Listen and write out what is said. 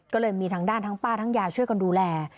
ก็เลยมีทางด้านทั้งป้าทั้งยายช่วยกันดูแล